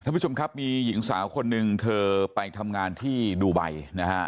ท่านผู้ชมครับมีหญิงสาวคนหนึ่งเธอไปทำงานที่ดูไบนะฮะ